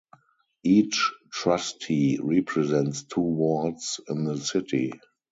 Each trustee represents two wards in the city.